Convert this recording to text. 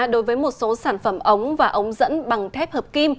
đối với một số sản phẩm ống và ống dẫn bằng thép hợp kim